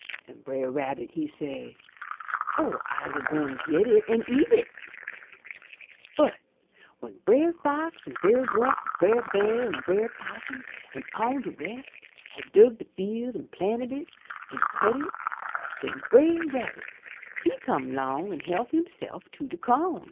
An' Brer Rabbit he say, *0h, I'se gwine get it an' eat it!' '*But w'en Brer Fox an' Brer Wolf an' Brer Bear an' Brer 'Possum an' all de rest, had dug de field, an' planted it, an' cut it, den Brer Rabbit he come 'long an' help hisself to de co'n.